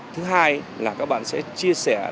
thứ hai là các bạn sẽ chia sẻ lan tính